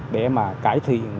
để mà cải thiện